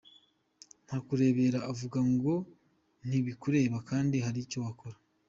Ntakurebera uvuga ngo ntibikureba kandi hari icyo wakora.